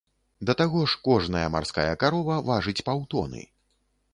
Да таго ж, кожная марская карова важыць паўтоны.